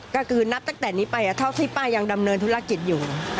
ก็คือนับตั้งแต่นี้ไปเท่าที่ป้ายังดำเนินธุรกิจอยู่